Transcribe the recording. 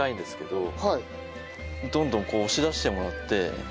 どんどんこう押し出してもらって。